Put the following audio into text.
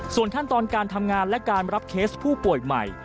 ส่วนขั้นตอนการทำงานและการรับเคสผู้ป่วยใหม่